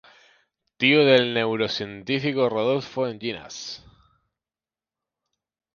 Tío del neurocientífico Rodolfo Llinás.